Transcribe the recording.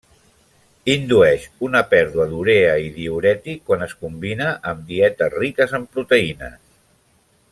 Indueix una pèrdua d'urea i diürètic quan es combina amb dietes riques en proteïnes.